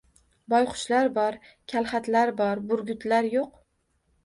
Boyqushlar bor, kalxatlar bor — burgutlar yo’q